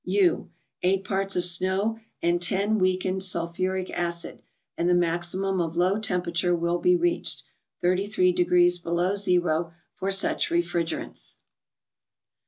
U. —Eight parts of snow and 10 weakened sulphuric acid, and the maximum of low temperature will be reached, 33 degrees below zero, for such refrigerants.